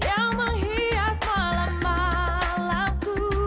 yang menghias malam malamku